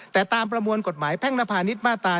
แต่ตามประมวลกฎหมายแพ่งนภาณิชย์มาตรา๑